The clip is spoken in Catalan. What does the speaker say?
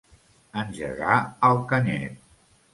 Engegar al canyet.